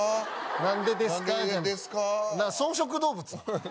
何でですか？